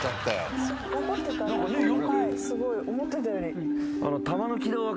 すごい思ってたより。